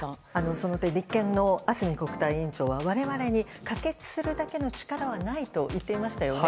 その点立憲の安住国対委員長は我々に可決するだけの力はないと言っていましたよね。